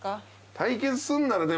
対決するならでも。